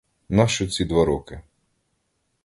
Нащо ці два роки?